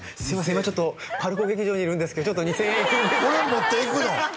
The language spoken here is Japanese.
今ちょっとＰＡＲＣＯ劇場にいるんですけどちょっと２０００円俺持っていくの？